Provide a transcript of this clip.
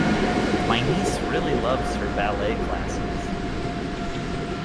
My niece really loves her ballet classes